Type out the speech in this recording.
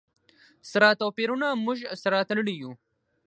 سره توپیرونو موږ سره تړلي یو.